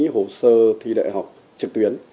hồ sơ thi đại học trực tuyến